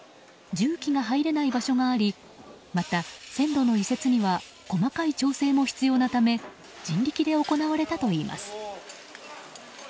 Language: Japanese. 重機が入れない場所がありまた線路の移設には細かい調整も必要なため人力で行われたといいます。